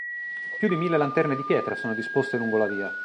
Più di mille lanterne di pietra sono disposte lungo la via.